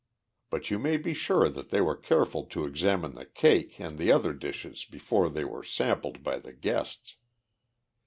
But you may be sure that they were careful to examine the cake and the other dishes before they were sampled by the guests.